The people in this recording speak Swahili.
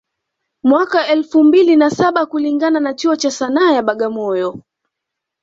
Mwaka wa elfu mbili na saba kulingana na chuo cha Sanaa ya Bagamoyo